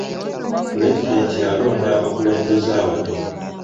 Pulezidenti alonda abakulembeze abato.